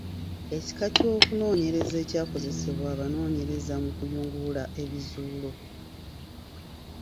Ekika ky’okunoonyereza ekyakozesebwa abanoonyereza mu kuyungulula ebizuulo.